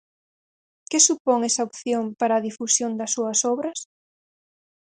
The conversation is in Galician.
Que supón esa opción para a difusión das súas obras?